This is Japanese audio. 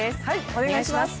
お願いします。